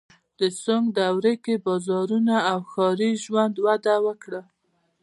د سونګ دورې کې بازارونه او ښاري ژوند وده وکړه.